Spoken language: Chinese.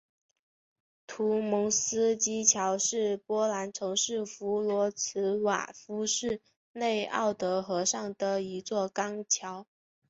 图蒙斯基桥是波兰城市弗罗茨瓦夫市内奥德河上的一座钢桥。